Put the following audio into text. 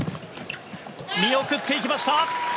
見送っていきました！